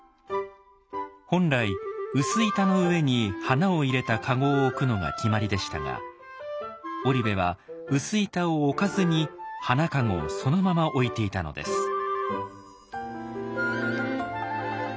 本来薄板の上に花を入れた籠を置くのが決まりでしたが織部は薄板を置かずに花籠をそのまま置いていたのです。